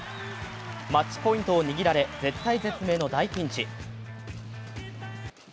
マッチポイントを握られ絶体絶命の大ピンチ。